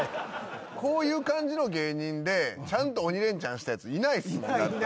こういう感じの芸人でちゃんと鬼レンチャンしたやついないっすもんだって。